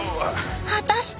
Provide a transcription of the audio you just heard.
果たして。